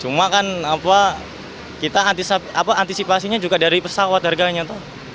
cuma kan kita antisipasinya juga dari pesawat harganya